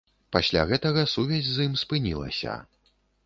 Пасля гэтага сувязь з ім спынілася.